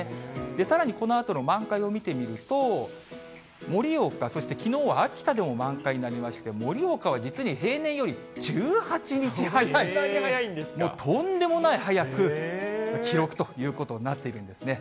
さらにこのあとの満開を見てみると、盛岡、そしてきのうは秋田でも満開になりまして、盛岡は実に平年より１８日早い、とんでもない早く、記録ということになっているんですね。